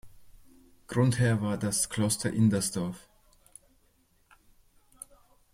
Grundherr war das Kloster Indersdorf.